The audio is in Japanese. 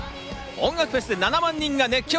音楽フェスで７万人が熱狂！